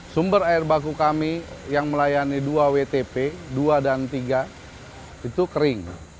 sumber air baku kami yang melayani dua wtp dua dan tiga itu kering